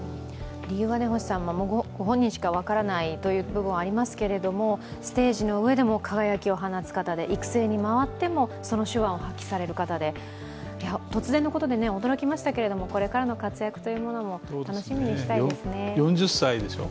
理由はご本人にしか分からないという部分もありますけどもステージの上でも輝きを放つ方で育成に回ってもその手腕を発揮される方で、突然のことで驚きましたけど、これからの活躍というものも楽しみにしたいですね。